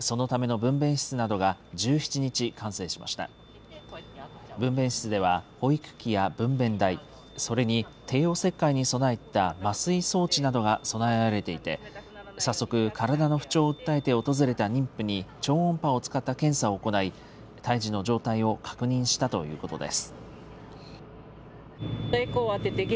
分べん室では保育器や分べん台、それに帝王切開に備えた麻酔装置などが備えられていて、早速、体の不調を訴えて訪れた妊婦に超音波を使った検査を行い、胎児の状態を確認したということです。